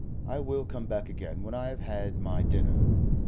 I will come back again when I have had my dinner.